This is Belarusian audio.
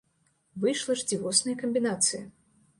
Выйшла ж дзівосная камбінацыя.